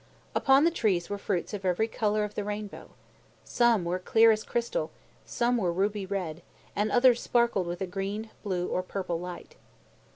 Upon the trees were fruits of every color of the rainbow. Some were clear as crystal, some were ruby red, and others sparkled with a green, blue, or purple light.